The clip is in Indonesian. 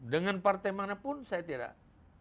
dengan partai manapun saya tidak